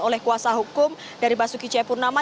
oleh kuasa hukum dari basuki cepurnama